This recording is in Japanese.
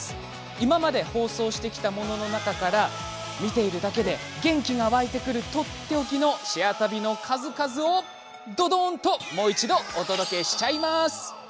今まで放送してきたものの中から見ているだけで元気が湧いてくるとっておきの「シェア旅」の数々を、もう一度お届けしちゃいます。